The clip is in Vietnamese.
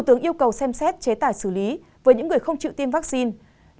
tiêm xét chế tải xử lý với những người không chịu tiêm vaccine